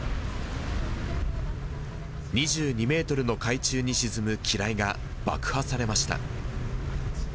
２２メートルの海中に沈む機雷が爆破されました。